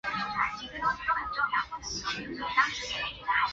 厚床车站的铁路车站。